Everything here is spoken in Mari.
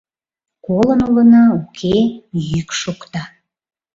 — Колын улына... уке, — йӱк шокта.